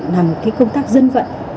làm công tác dân vận